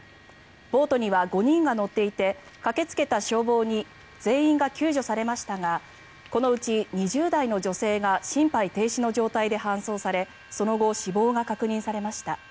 ボートには５人が乗っていて駆けつけた消防に全員が救助されましたがこのうち２０代の女性が心肺停止の状態で搬送されその後、死亡が確認されました。